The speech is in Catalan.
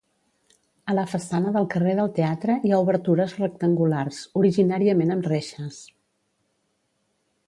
A la façana del carrer del Teatre hi ha obertures rectangulars, originàriament amb reixes.